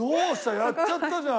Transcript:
やっちゃったじゃん。